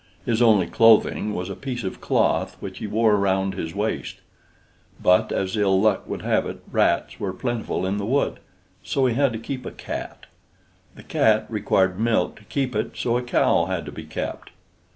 His only clothing was a piece of cloth which he wore round his waist. But, as ill luck would have it, rats were plentiful in the wood, so he had to keep a cat. The cat required milk to keep it, so a cow had to be kept.